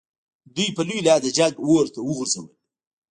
دوی په لوی لاس د جنګ اور ته وغورځول.